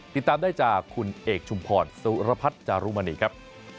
ติดตามได้จากคุณเอกชุมพรสุรพัฒน์จารุมณีครับ